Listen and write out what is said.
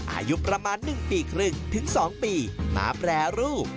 อายุประมาณ๑ปีครึ่งถึง๒ปีมาแปรรูป